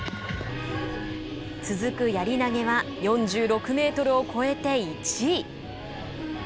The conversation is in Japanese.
続くやり投げは４６メートルを超えて１位。